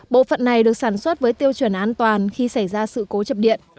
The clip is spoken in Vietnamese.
bộ phận này được sản xuất với tiêu chuẩn an toàn khi xảy ra sự cố chập điện